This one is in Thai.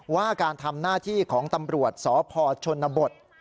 ว่าการทำหน้าที่ของตำรวจสพชนบท